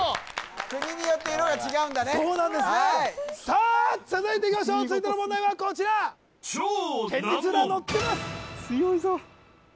国によって色が違うんだねそうなんですねさあ続いていきましょう続いての問題はこちら県立浦和のってます！